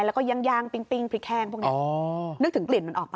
แล้วก็ย่างปิ้งพริกแห้งพวกนี้นึกถึงกลิ่นมันออกป